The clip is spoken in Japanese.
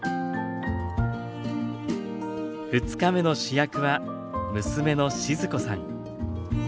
２日目の主役は娘の静子さん。